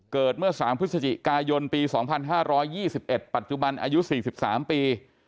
เกิดเมื่อ๓พฤศจิกายนปี๒๕๒๑ปัจจุบันอายุ๔๓ปี